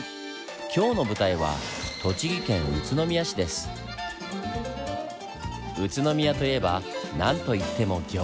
今日の舞台は宇都宮といえばなんといってもギョーザ！